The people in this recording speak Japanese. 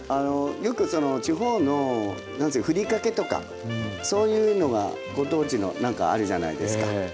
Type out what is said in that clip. よくその地方のふりかけとかそういうのがご当地のなんかあるじゃないですか。